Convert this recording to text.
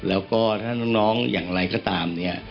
แล้วก็ถ้าน้องอย่างไรก็ตามเนี่ย